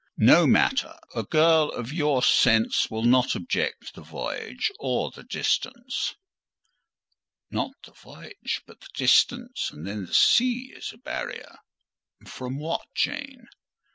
"No matter—a girl of your sense will not object to the voyage or the distance." "Not the voyage, but the distance: and then the sea is a barrier—" "From what, Jane?"